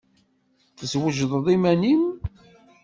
Teswejdeḍ iman-im?